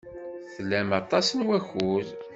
Tlam aṭas n wakud.